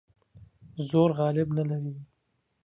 زور غالب نه لري.